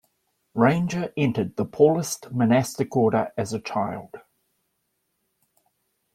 Ranger entered the Paulist monastic order as a child.